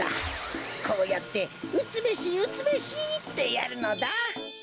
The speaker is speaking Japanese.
こうやって「うつべしうつべし」ってやるのだ。